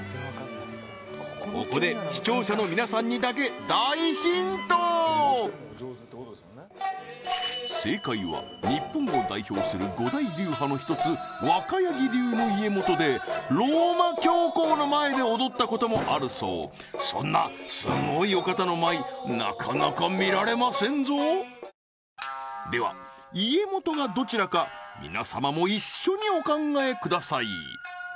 ここで視聴者の皆さんにだけ大ヒント正解は日本を代表する五大流派の一つ若柳流の家元でローマ教皇の前で踊ったこともあるそうそんなすごいお方の舞なかなか見られませんぞでは家元がどちらか皆様も一緒にお考えください